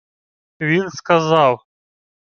Він сказав: